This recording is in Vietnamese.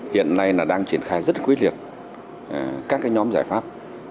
hiện nay đang triển khai rất quyết liệt các nhóm giải pháp